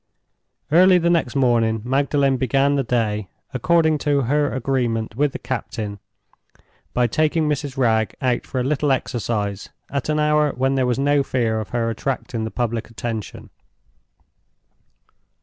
Early the next morning Magdalen began the day, according to her agreement with the captain, by taking Mrs. Wragge out for a little exercise at an hour when there was no fear of her attracting the public attention.